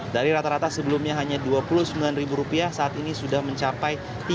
dari rata rata sebelum ini kita bisa lihat bahwa kenaikan ini sudah mencapai rp satu ratus lima puluh